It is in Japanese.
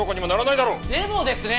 でもですね！